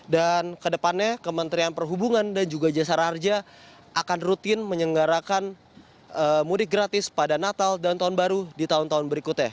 dan ke depannya kementerian perhubungan dan juga jasa raja akan rutin menyenggarakan mudik gratis pada natal dan tahun baru di tahun tahun berikutnya